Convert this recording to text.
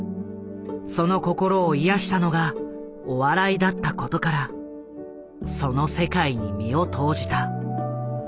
その心を癒やしたのがお笑いだったことからその世界に身を投じた。